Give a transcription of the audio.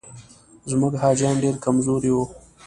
زموږ حاجیان ډېر کمزوري وو.